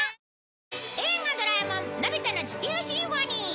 『映画ドラえもんのび太の地球交響楽』。